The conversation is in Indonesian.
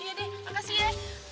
iya deh makasih ya